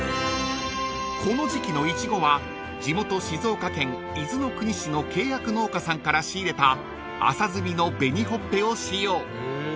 ［この時季のイチゴは地元静岡県伊豆の国市の契約農家さんから仕入れた朝摘みの紅ほっぺを使用］